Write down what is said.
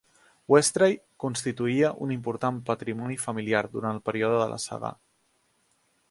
Westray constituïa un important patrimoni familiar durant el període de la saga.